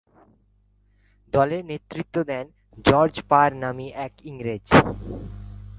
দলের নেতৃত্ব দেন "জর্জ পার" নাম্নী এক ইংরেজ।